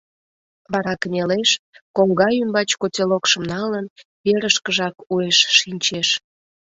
Вара кынелеш, коҥга ӱмбач котелокшым налын, верышкыжак уэш шинчеш.